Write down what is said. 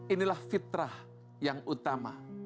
inilah fitrah yang utama